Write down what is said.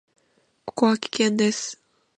ここは危険です。